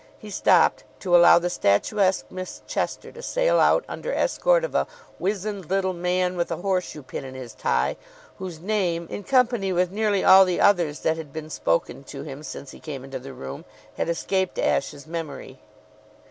He stopped, to allow the statuesque Miss Chester to sail out under escort of a wizened little man with a horseshoe pin in his tie, whose name, in company with nearly all the others that had been spoken to him since he came into the room, had escaped Ashe's memory.